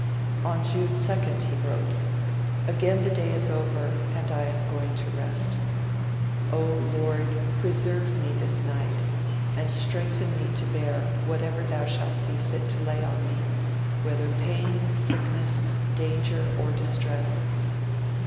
On June 2nd he wrote, 'Again the day is over and I am going to rest. Oh Lord, preserve me this night, and strengthen me to bear whatever Thou shalt see fit to lay on me, whether pain, sickness, danger, or distress.'